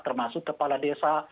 termasuk kepala desa